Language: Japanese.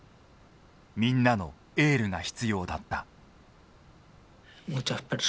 みんなのエールが必要だった。